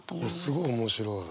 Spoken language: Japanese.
すごい面白い。